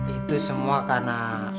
itu semua karena